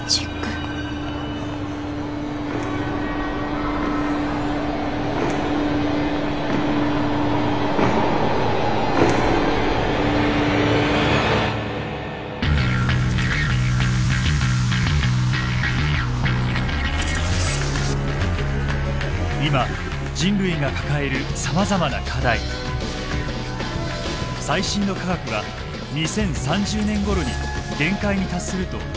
最新の科学は２０３０年ごろに限界に達すると警告しています。